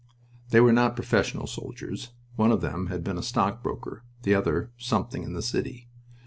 They were not professional soldiers. One of them had been a stock broker, the other "something in the city."